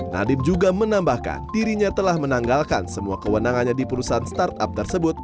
nadiem juga menambahkan dirinya telah menanggalkan semua kewenangannya di perusahaan startup tersebut